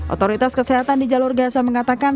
otoritas kesehatan di jalur gaza mengatakan